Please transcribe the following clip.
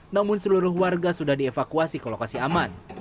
namun seluruh warga sudah dievakuasi ke lokasi aman